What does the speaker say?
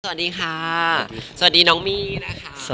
สวัสดีค่ะสวัสดีน้องมี่นะคะ